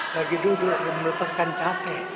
lagi duduk melepaskan capek